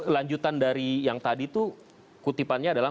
lanjutan dari yang tadi itu kutipannya adalah